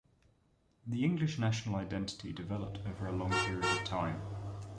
The English national identity developed over a long period of time.